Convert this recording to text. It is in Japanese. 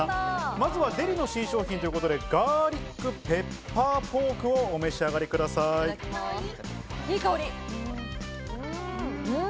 まずはデリの新商品ガーリックペッパーポークをお召し上がりくだいい香り。